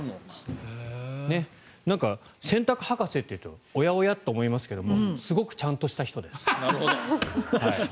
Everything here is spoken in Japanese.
何か洗濯ハカセというとおやおやと思いますけどすごくちゃんとした人です。